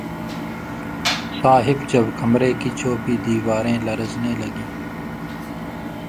صاحب جب کمرے کی چوبی دیواریں لرزنے لگیں